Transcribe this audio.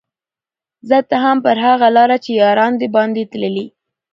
ځه ته هم پر هغه لاره چي یاران دي باندي تللي